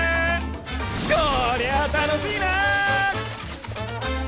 こりゃ楽しいな！